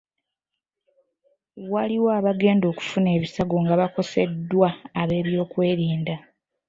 Waliwo abagenda okufuna ebisago nga bakoseddwa ab'ebyokwerinda.